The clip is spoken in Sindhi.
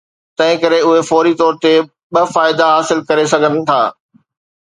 تنهن ڪري اهي فوري طور تي ٻه فائدا حاصل ڪري سگهن ٿا.